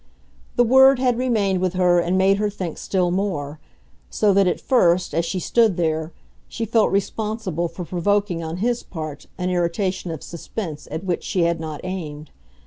The word had remained with her and made her think still more; so that, at first, as she stood there, she felt responsible for provoking on his part an irritation of suspense at which she had not aimed.